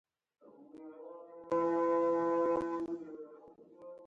سرعت په متر په ثانیه اندازه کېږي.